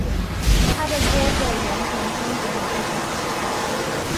她的哥哥原田宗典也是小说家。